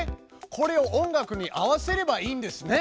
これを音楽に合わせればいいんですね。